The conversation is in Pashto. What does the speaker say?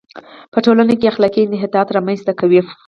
په ټولنه کې اخلاقي انحطاط را منځ ته کوي.